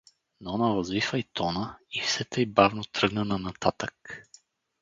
Нона възви файтона и, все тъй бавно, тръгна нанататък.